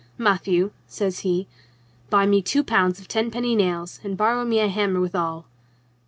"Matthieu," says he, "buy me two pounds of tenpenny nails and borrow me a hammer withal."